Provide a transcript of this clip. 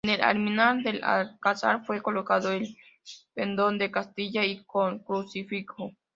En el alminar del Alcázar fue colocado el pendón de Castilla y un crucifijo.